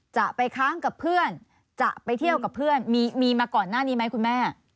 จะไปค้างกับเพื่อนจะไปเที่ยวกับเพื่อนมีมาก่อนหน้านี้ไหมคุณแม่